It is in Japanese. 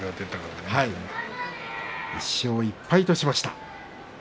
１勝１敗としました。